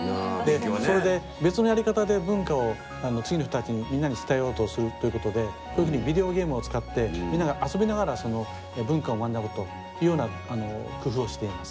それで別のやり方で文化を次の人たちにみんなに伝えようとするということでこういうふうにビデオゲームを使ってみんなが遊びながらその文化を学ぶというような工夫をしています。